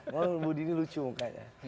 ngomongin bu dini lucu mukanya